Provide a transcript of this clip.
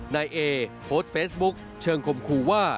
นายเอโพสต์เฟซบุ๊กเชิงคมคู่ว่า